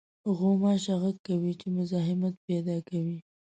غوماشه غږ کوي چې مزاحمت پېدا کوي.